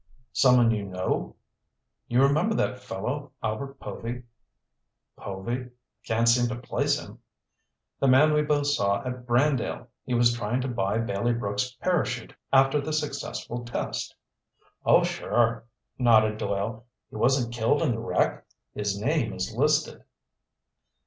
"Someone you know?" "You remember that fellow, Albert Povy?" "Povy—I can't seem to place him." "The man we both saw at Brandale. He was trying to buy Bailey Brooks' parachute after the successful test." "Oh, sure," nodded Doyle. "He wasn't killed in the wreck?" "His name is listed."